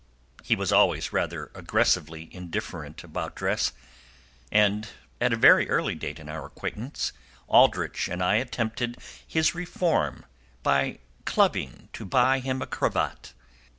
He was always rather aggressively indifferent about dress, and at a very early date in our acquaintance Aldrich and I attempted his reform by clubbing to buy him a cravat.